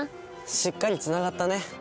しっかりつながったね。